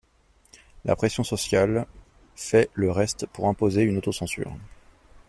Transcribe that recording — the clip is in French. La pression sociale fait le reste pour imposer une autocensure.